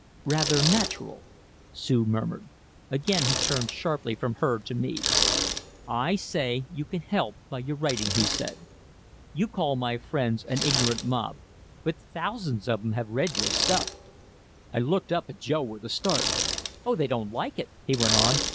"Rather natural," Sue murmured. Again he turned sharply from her to me. "I say you can help by your writing," he said. "You call my friends an ignorant mob. But thousands of 'em have read your stuff!" I looked up at Joe with a start. "Oh they don't like it," he went on.